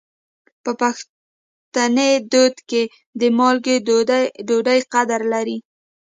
په پښتني دود کې د مالګې ډوډۍ قدر لري.